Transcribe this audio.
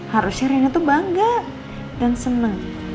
harusnya rina tuh bangga dan senang